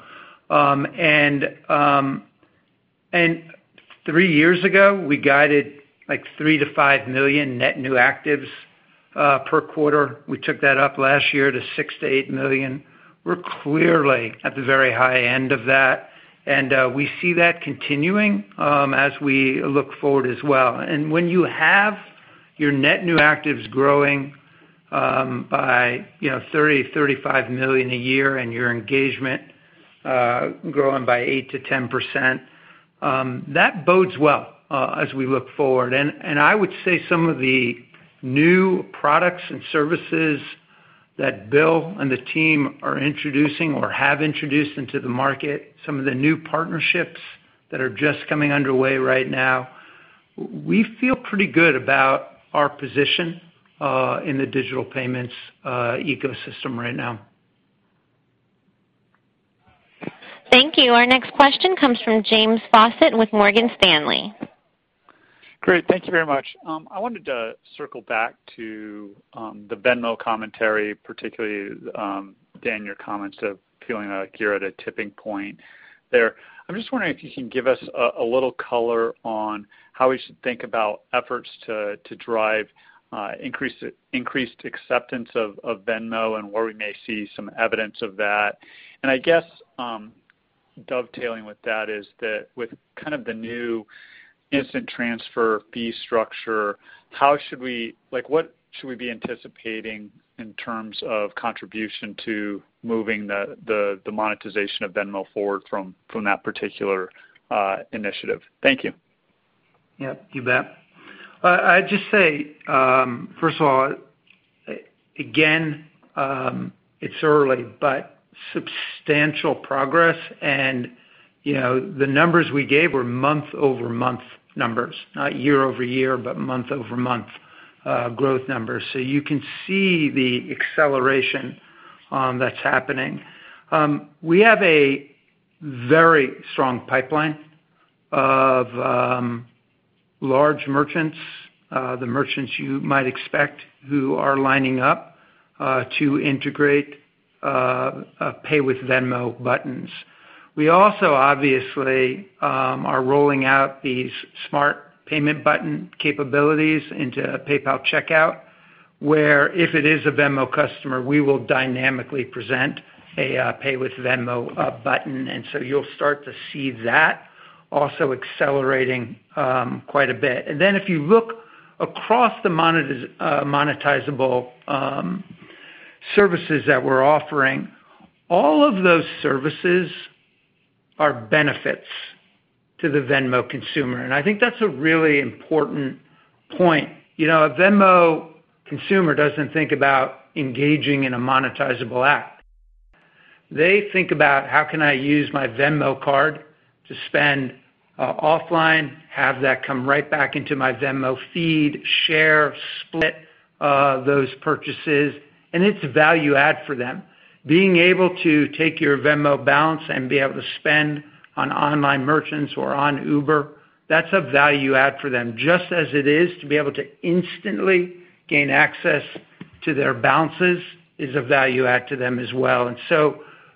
Three years ago, we guided three to five million net new actives per quarter. We took that up last year to six to eight million. We're clearly at the very high end of that, and we see that continuing as we look forward as well. When you have your net new actives growing by 30, 35 million a year, and your engagement growing by 8%-10%, that bodes well as we look forward. I would say some of the new products and services that Bill and the team are introducing or have introduced into the market, some of the new partnerships that are just coming underway right now, we feel pretty good about our position in the digital payments ecosystem right now. Thank you. Our next question comes from James Faucette with Morgan Stanley. Great. Thank you very much. I wanted to circle back to the Venmo commentary, particularly, Dan, your comments of feeling like you're at a tipping point there. I'm just wondering if you can give us a little color on how we should think about efforts to drive increased acceptance of Venmo and where we may see some evidence of that. I guess, dovetailing with that is that with kind of the new Instant Transfer fee structure, what should we be anticipating in terms of contribution to moving the monetization of Venmo forward from that particular initiative? Thank you. Yeah, you bet. I'd just say, first of all, again, it's early, but substantial progress, and the numbers we gave were month-over-month numbers. Not year-over-year, but month-over-month growth numbers. You can see the acceleration that's happening. We have a very strong pipeline of large merchants. The merchants you might expect who are lining up to integrate Pay with Venmo buttons. We also obviously are rolling out these Smart Payment Buttons capabilities into PayPal Checkout, where if it is a Venmo customer, we will dynamically present a Pay with Venmo button. You'll start to see that also accelerating quite a bit. If you look across the monetizable services that we're offering, all of those services are benefits to the Venmo consumer, and I think that's a really important point. A Venmo consumer doesn't think about engaging in a monetizable act. They think about how can I use my Venmo card to spend offline, have that come right back into my Venmo feed, share, split those purchases, and it's a value add for them. Being able to take your Venmo balance and be able to spend on online merchants or on Uber, that's a value add for them, just as it is to be able to instantly gain access to their balances is a value add to them as well.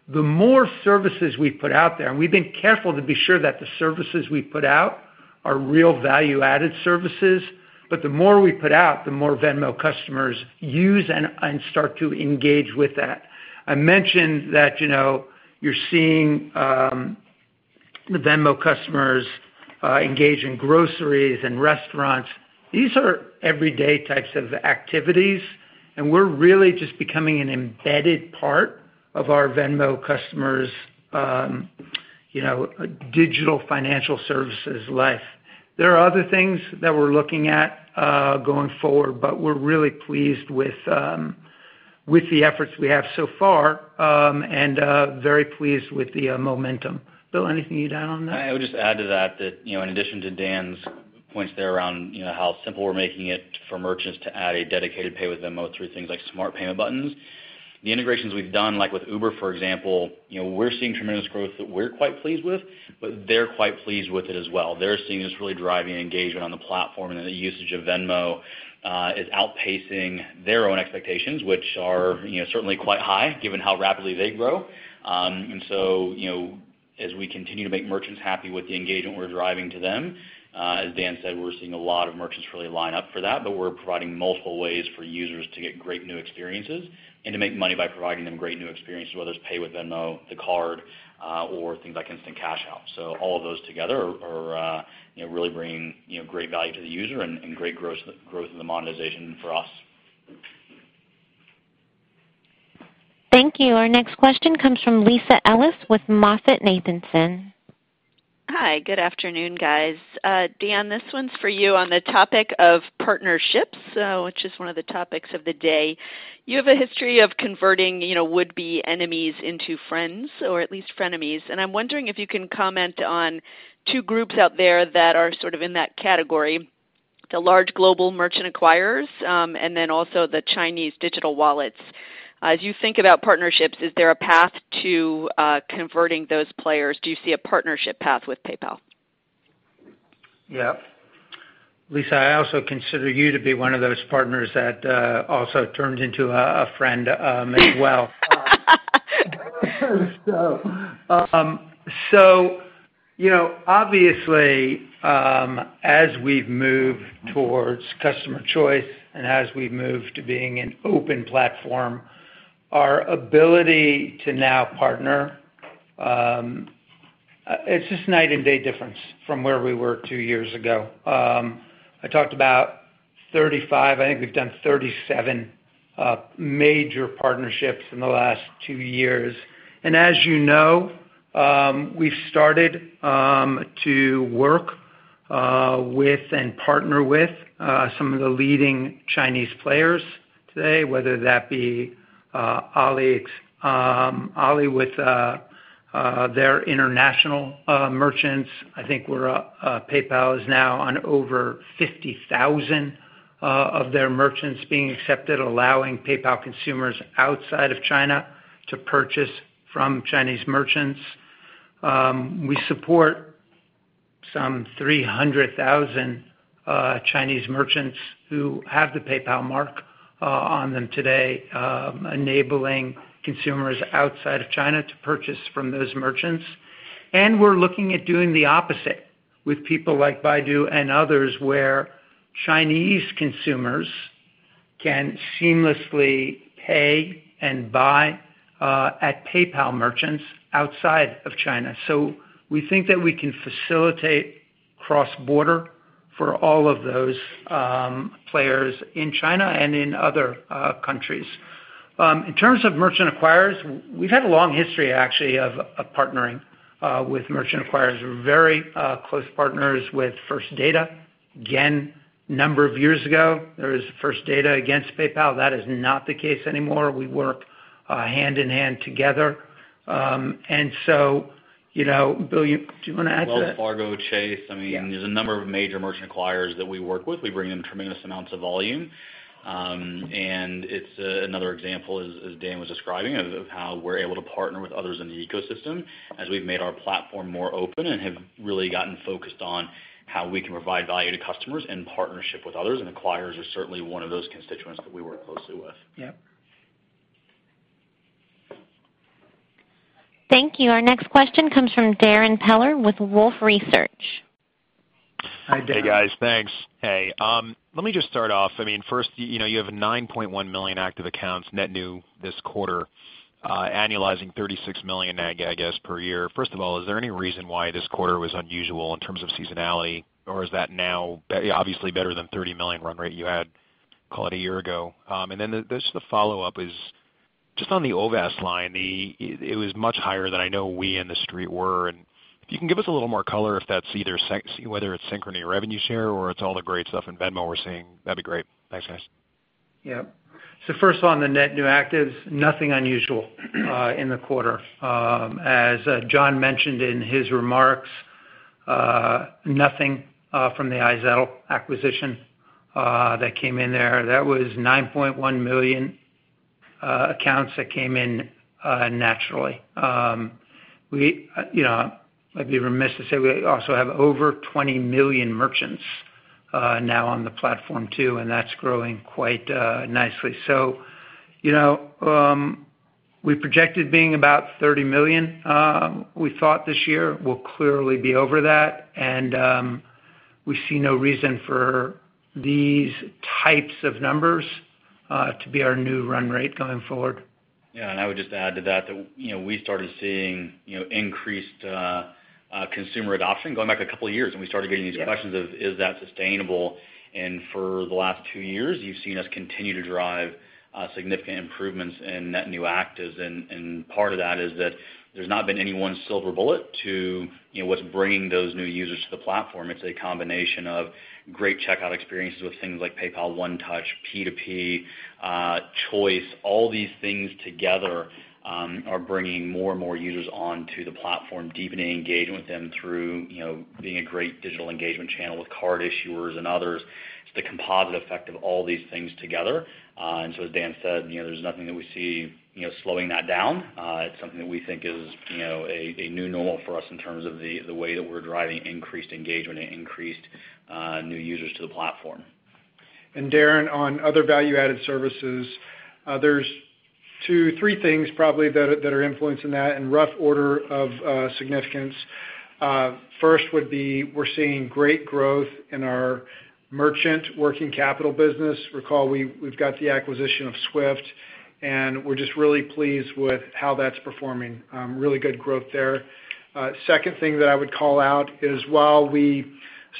The more services we put out there, and we've been careful to be sure that the services we put out are real value-added services, but the more we put out, the more Venmo customers use and start to engage with that. I mentioned that you're seeing the Venmo customers engage in groceries and restaurants. These are everyday types of activities. We're really just becoming an embedded part of our Venmo customers' digital financial services life. There are other things that we're looking at going forward. We're really pleased with the efforts we have so far. Very pleased with the momentum. Bill, anything to add on that? I would just add to that in addition to Dan's points there around how simple we're making it for merchants to add a dedicated Pay with Venmo through things like Smart Payment Buttons, the integrations we've done, like with Uber, for example, we're seeing tremendous growth that we're quite pleased with. They're quite pleased with it as well. They're seeing this really driving engagement on the platform. The usage of Venmo is outpacing their own expectations, which are certainly quite high given how rapidly they grow. As we continue to make merchants happy with the engagement we're driving to them, as Dan said, we're seeing a lot of merchants really line up for that. We're providing multiple ways for users to get great new experiences and to make money by providing them great new experiences, whether it's Pay with Venmo, the card, or things like instant cash out. All of those together are really bringing great value to the user and great growth in the monetization for us. Thank you. Our next question comes from Lisa Ellis with MoffettNathanson. Hi, good afternoon, guys. Dan, this one's for you on the topic of partnerships, which is one of the topics of the day. You have a history of converting would-be enemies into friends, or at least frenemies, and I'm wondering if you can comment on two groups out there that are sort of in that category, the large global merchant acquirers, and also the Chinese digital wallets. As you think about partnerships, is there a path to converting those players? Do you see a partnership path with PayPal? Yeah. Lisa, I also consider you to be one of those partners that also turned into a friend as well. Obviously, as we've moved towards Customer Choice and as we've moved to being an open platform, our ability to now partner, it's just night and day difference from where we were two years ago. I talked about 35, I think we've done 37 major partnerships in the last two years. As you know, we've started to work with and partner with some of the leading Chinese players today, whether that be Alipay with their international merchants. I think PayPal is now on over 50,000 of their merchants being accepted, allowing PayPal consumers outside of China to purchase from Chinese merchants. We support some 300,000 Chinese merchants who have the PayPal mark on them today, enabling consumers outside of China to purchase from those merchants. We're looking at doing the opposite with people like Baidu and others, where Chinese consumers can seamlessly pay and buy at PayPal merchants outside of China. We think that we can facilitate cross-border for all of those players in China and in other countries. In terms of merchant acquirers, we've had a long history, actually, of partnering with merchant acquirers. We're very close partners with First Data. Again, a number of years ago, there was First Data against PayPal. That is not the case anymore. We work hand-in-hand together. Bill, do you want to add to that? Wells Fargo, Chase, there's a number of major merchant acquirers that we work with. We bring in tremendous amounts of volume. It's another example, as Dan was describing, of how we're able to partner with others in the ecosystem as we've made our platform more open and have really gotten focused on how we can provide value to customers in partnership with others, and acquirers are certainly one of those constituents that we work closely with. Yeah. Thank you. Our next question comes from Darrin Peller with Wolfe Research. Hi, Darrin. Hi, guys. Thanks. Hey. Let me just start off. First, you have 9.1 million active accounts net new this quarter, annualizing $36 million, I guess, per year. First of all, is there any reason why this quarter was unusual in terms of seasonality, or is that now obviously better than 30 million run rate you had, call it, a year ago? The follow-up is just on the OVAS line, it was much higher than I know we in the Street were. If you can give us a little more color if that's either whether it's Synchrony revenue share or it's all the great stuff in Venmo we're seeing, that'd be great. Thanks, guys. Yeah. First on the net new actives, nothing unusual in the quarter. As John mentioned in his remarks, nothing from the iZettle acquisition that came in there. That was 9.1 million accounts that came in naturally. I'd be remiss to say we also have over 20 million merchants now on the platform too, and that's growing quite nicely. We projected being about 30 million. We thought this year we'll clearly be over that, and we see no reason for these types of numbers to be our new run rate going forward. Yeah. I would just add to that, we started seeing increased consumer adoption going back a couple of years, and we started getting these questions of, is that sustainable? For the last two years, you've seen us continue to drive significant improvements in net new actives. Part of that is that there's not been any one silver bullet to what's bringing those new users to the platform. It's a combination of great checkout experiences with things like PayPal One Touch, P2P, Choice. All these things together are bringing more and more users onto the platform, deepening engagement with them through being a great digital engagement channel with card issuers and others. It's the composite effect of all these things together. As Dan said, there's nothing that we see slowing that down. It's something that we think is a new normal for us in terms of the way that we're driving increased engagement and increased new users to the platform. Darrin, on other value-added services, there's two, three things probably that are influencing that in rough order of significance. First would be we're seeing great growth in our merchant working capital business. Recall we've got the acquisition of Swift, and we're just really pleased with how that's performing. Really good growth there. Second thing that I would call out is while we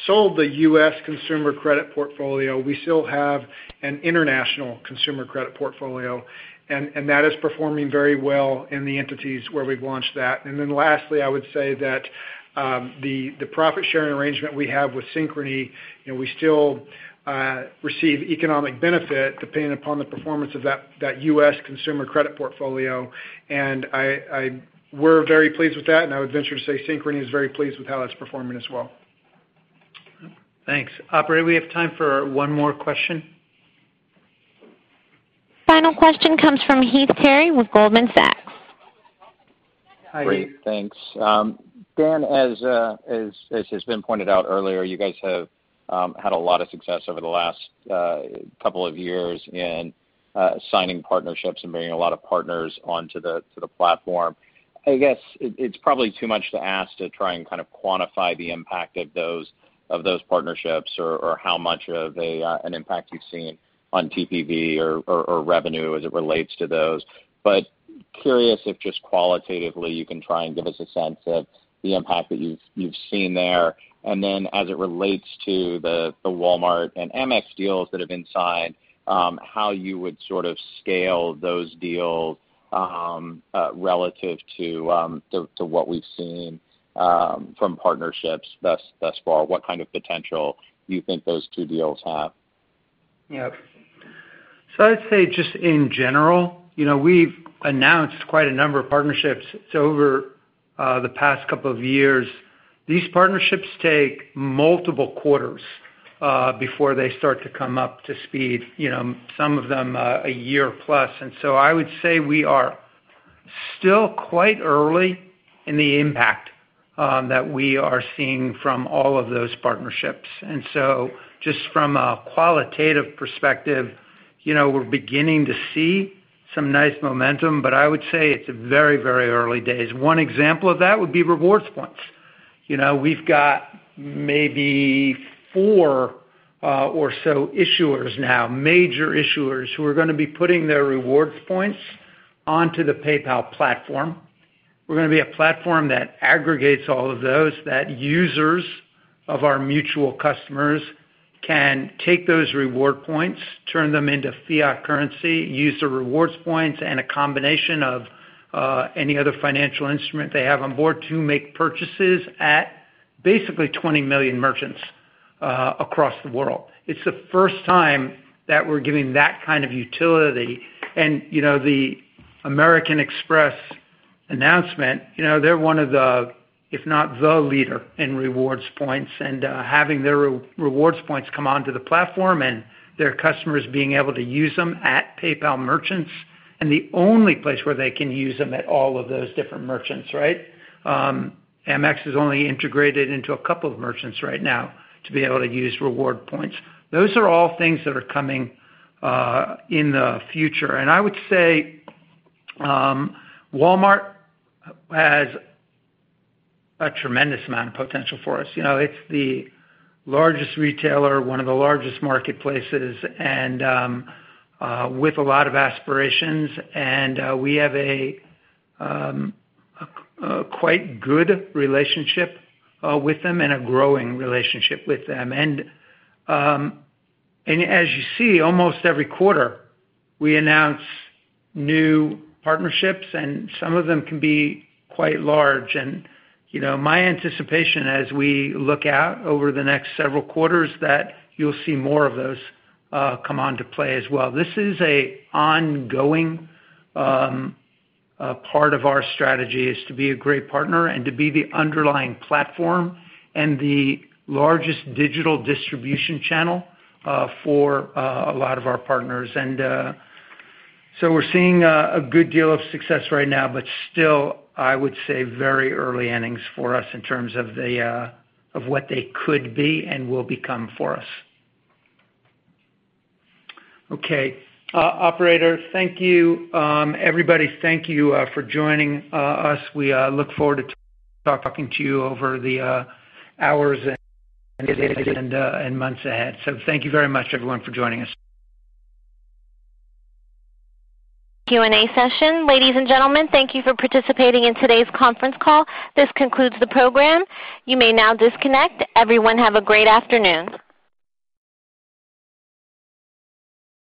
sold the U.S. consumer credit portfolio, we still have an international consumer credit portfolio, and that is performing very well in the entities where we've launched that. Lastly, I would say that the profit-sharing arrangement we have with Synchrony, we still receive economic benefit depending upon the performance of that U.S. consumer credit portfolio. We're very pleased with that, and I would venture to say Synchrony is very pleased with how that's performing as well. Thanks. Operator, we have time for one more question. Final question comes from Heath Terry with Goldman Sachs. Hi, Heath. Great. Thanks. Dan, as has been pointed out earlier, you guys have had a lot of success over the last couple of years in signing partnerships and bringing a lot of partners onto the platform. I guess it's probably too much to ask to try and quantify the impact of those partnerships or how much of an impact you've seen on TPV or revenue as it relates to those. Curious if just qualitatively you can try and give us a sense of the impact that you've seen there. As it relates to the Walmart and Amex deals that have been signed, how you would sort of scale those deals relative to what we've seen from partnerships thus far. What kind of potential do you think those two deals have? Yeah. I'd say just in general, we've announced quite a number of partnerships over the past couple of years. These partnerships take multiple quarters before they start to come up to speed, some of them a year plus. I would say we are still quite early in the impact that we are seeing from all of those partnerships. Just from a qualitative perspective, we're beginning to see some nice momentum, but I would say it's very early days. One example of that would be rewards points. We've got maybe four or so issuers now, major issuers who are going to be putting their reward points onto the PayPal platform. We're going to be a platform that aggregates all of those that users of our mutual customers can take those reward points, turn them into fiat currency, use the rewards points, and a combination of any other financial instrument they have on board to make purchases at basically 20 million merchants across the world. It's the first time that we're giving that kind of utility. The American Express announcement, they're one of the, if not the leader in rewards points, and having their rewards points come onto the platform and their customers being able to use them at PayPal merchants, and the only place where they can use them at all of those different merchants, right? Amex is only integrated into a couple of merchants right now to be able to use reward points. Those are all things that are coming in the future. I would say Walmart has a tremendous amount of potential for us. It's the largest retailer, one of the largest marketplaces, and with a lot of aspirations. We have a quite good relationship with them and a growing relationship with them. As you see, almost every quarter, we announce new partnerships, and some of them can be quite large. My anticipation as we look out over the next several quarters that you'll see more of those come onto play as well. This is an ongoing part of our strategy is to be a great partner and to be the underlying platform and the largest digital distribution channel for a lot of our partners. We're seeing a good deal of success right now, but still, I would say very early innings for us in terms of what they could be and will become for us. Okay. Operator, thank you. Everybody, thank you for joining us. We look forward to talking to you over the hours and days and months ahead. Thank you very much, everyone, for joining us. Q&A session. Ladies and gentlemen, thank you for participating in today's conference call. This concludes the program. You may now disconnect. Everyone have a great afternoon.